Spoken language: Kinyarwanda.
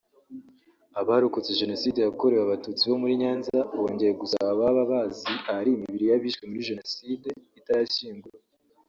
Abarokotse Jenoside yakorewe Abatutsi bo muri Nyanza bongeye gusaba ababa bazi ahari imibiri y’abishwe muri Jenoside itarashyingurwa